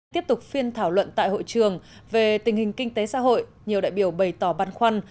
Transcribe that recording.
tiếp tục phiên thảo luận tại hội trường về tình hình kinh tế xã hội nhiều đại biểu bày tỏ băn khoăn